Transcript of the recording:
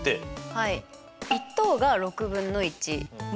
はい。